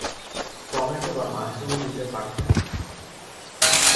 Tomato বা mushroom দিতে পারতে না?